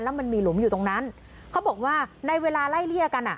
แล้วมันมีหลุมอยู่ตรงนั้นเขาบอกว่าในเวลาไล่เลี่ยกันอ่ะ